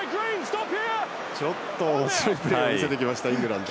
ちょっとおもしろいプレーを見せてきた、イングランド。